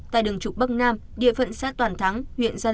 tại đường trục bắc nam địa phận xa toàn thắng huyện gia lộn